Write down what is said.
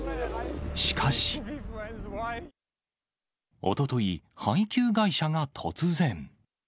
しかし、おととい、配給会社が突然。